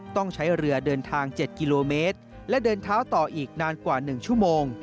ต้องใช้เรือเดินทาง๗กิโลเมตรและเดินเท้าต่ออีกนานกว่า๑ชั่วโมง